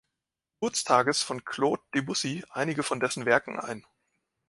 Geburtstages von Claude Debussy einige von dessen Werken ein.